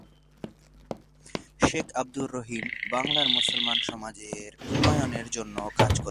শেখ আব্দুর রহিম বাংলার মুসলমান সমাজের উন্নয়নের জন্য কাজ করতেন।